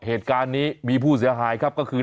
เหตุการณ์นี้มีผู้เสียหายครับก็คือ